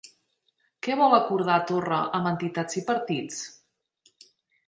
Què vol acordar Torra amb entitats i partits?